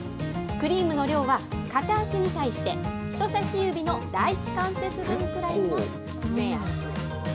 クリームの量は、片足に対して、人さし指の第１関節分くらいの目安。